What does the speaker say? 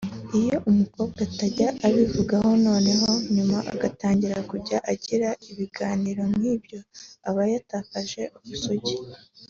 Iyo umukobwa atajyaga abivugaho noneho nyuma agatangira kujya agira ibiganiro nk’ibyo aba yatakaje ubusugi